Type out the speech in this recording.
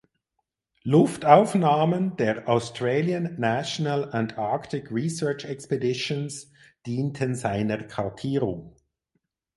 Luftaufnahmen der Australian National Antarctic Research Expeditions diensten seiner Kartierung.